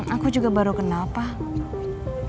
aku juga baru kenal pak